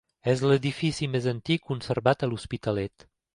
És l'edifici més antic conservat a l'Hospitalet.